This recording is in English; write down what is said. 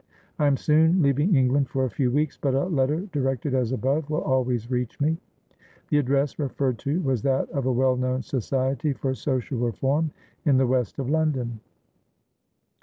I am soon leaving England for a few weeks, but a letter directed as above will always reach me." The address referred to was that of a well known Society for Social Reform in the west of London.